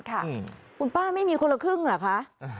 คุณป้าไม่มีคนละครึ่งเหรอคะ